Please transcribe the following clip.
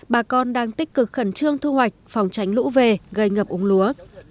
bà con đang tích cực khẩn trương thu hoạch phòng tránh lũ về gây ngập úng lúa